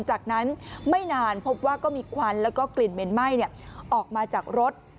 จากนั้นไม่นานพบว่าก็มีควันแล้วก็กลิ่นเหม็นไหม้ออกมาจากรถ